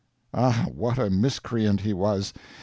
Ah, what a miscreant he was!